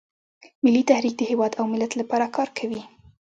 ملي تحریک د هیواد او ملت لپاره کار کوي